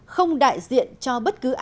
không đại diện cho bất kể lý lẽ